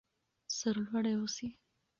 سر لوړي اوسئ.